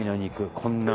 こんなん。